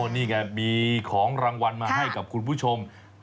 นี่ไงมีของรางวัลมาให้กับคุณผู้ชม